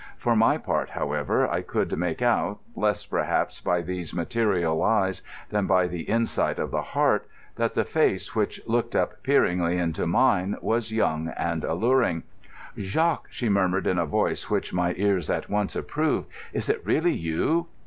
For my part, however, I could make out—less, perhaps, by these material eyes than by the insight of the heart—that the face which looked up peeringly into mine was young and alluring. "Jacques," she murmured in a voice which my ears at once approved, "is it really you?"